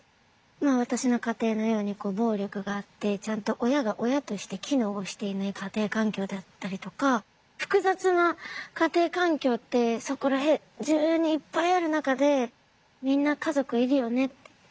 私の家庭のように暴力があってちゃんと親が親として機能していない家庭環境だったりとか複雑な家庭環境ってそこら中にいっぱいある中で「みんな家族いるよね？」って「そのいいとこってどこ？」